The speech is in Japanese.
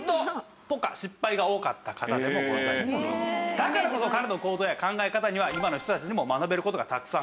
だからこそ彼の行動や考え方には今の人たちにも学べる事がたくさんあるので